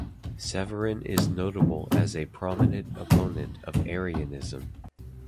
Severin is notable as a prominent opponent of Arianism.